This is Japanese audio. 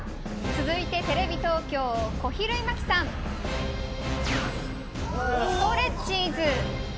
続いてテレビ東京小比類巻さんストレッチーズ。